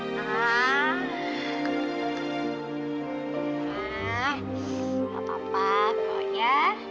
nggak apa apa kok ya